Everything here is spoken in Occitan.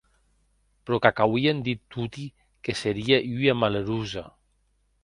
Pro qu’ac auien dit toti que serie ua malerosa!